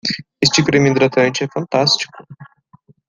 Este creme hidratante é fantástico.